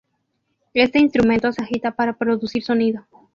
Este instrumento se agita para producir sonido.